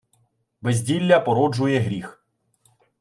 Безділля породжує гріх.